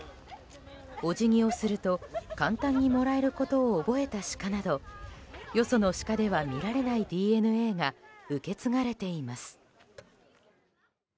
お辞儀をすると簡単にもらえることを覚えたシカなどよそのシカでは見られないＤＮＡが受け継がれています。